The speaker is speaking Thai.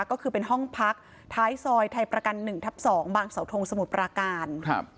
ก็คือเป็นห้องพักท้ายซอยไทยประกัน๑ทับ๒บางเสาทงสมุทรปราการครับ